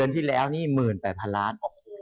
ที่แล้วนี่๑๘๐๐๐ล้าน